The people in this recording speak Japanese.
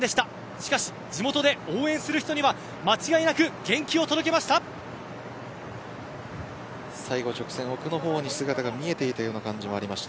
しかし地元で応援する人には間違いなく元気を届けました。